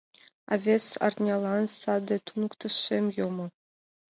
А вес арнялан саде туныктышем йомо.